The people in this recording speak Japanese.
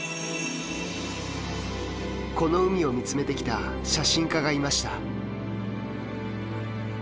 この海を見つめてきた写真家がいました。